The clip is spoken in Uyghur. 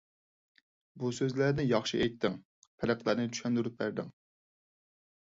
بۇ سۆزلەرنى ياخشى ئېيتتىڭ. پەرقلەرنى چۈشەندۈرۈپ بەردىڭ.